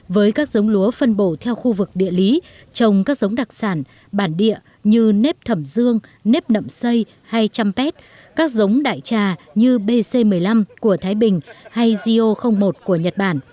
với các giống lúa phân bổ theo khu vực địa lý trồng các giống đặc sản bản địa như nếp thẩm dương nếp nậm xây hay trăm pét các giống đại trà như bc một mươi năm của thái bình hay go một của nhật bản